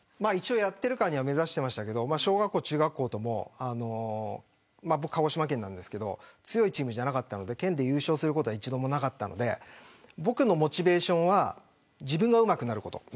やるからには目指してましたが小学校、中学校とも強いチームじゃなかったので県で優勝することは一度もなかったので僕のモチベーションは自分がうまくなること。